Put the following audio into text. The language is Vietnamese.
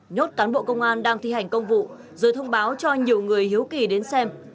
nhốt cán bộ công an đang thi hành công vụ rồi thông báo cho nhiều người hiếu kỳ đến xem